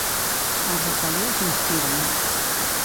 'As Rosalías inspiran!'.